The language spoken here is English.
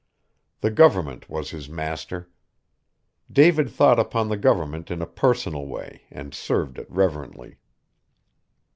The government was his master. David thought upon the government in a personal way and served it reverently.